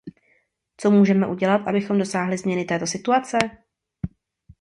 Co můžeme udělat, abychom dosáhli změny této situace?